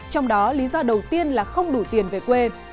trong đó lý do đầu tiên là không đủ tiền về quê